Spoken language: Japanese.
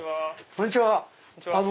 こんにちは。